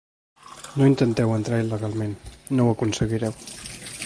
No intenteu entrar il·legalment, no ho aconseguireu.